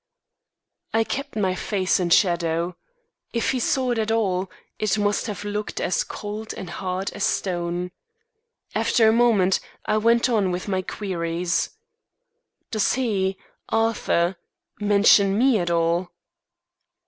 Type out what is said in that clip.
I kept my face in shadow. If he saw it at all, it must have looked as cold and hard as stone. After a moment, I went on with my queries: "Does he Arthur mention me at all?"